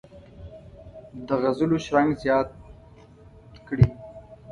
د غزلو شرنګ زیات کړي.